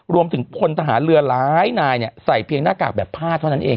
พลทหารเรือหลายนายใส่เพียงหน้ากากแบบผ้าเท่านั้นเอง